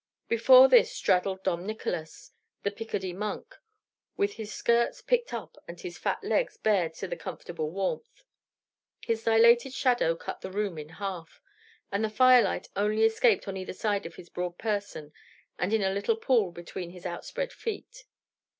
Before this straddled Dom Nicolas, the Picardy monk, with his skirts picked up and his fat legs bared to the comfortable warmth. His dilated shadow cut the room in half; and the firelight only escaped on either side of his broad person, and in a little pool between his outspread feet.